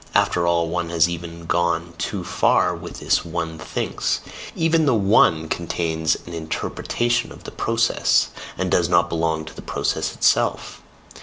After all, one has even gone too far with this "one thinks" even the "one" contains an INTERPRETATION of the process, and does not belong to the process itself.